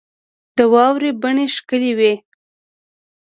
د واورې بڼې ښکلي وې.